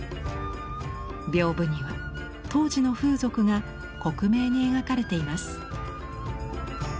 屏風には当時の風俗が克明に描かれています。